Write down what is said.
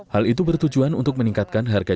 hal itu bertujuan untuk meningkatkan harga